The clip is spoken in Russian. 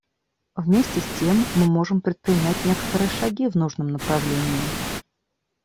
Вместе с тем мы можем предпринять некоторые шаги в нужном направлении.